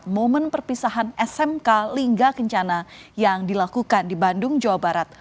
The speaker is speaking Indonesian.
momen perpisahan smk lingga kencana yang dilakukan di bandung jawa barat